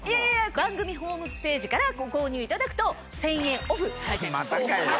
番組ホームページからご購入いただくと１０００円オフされちゃいます。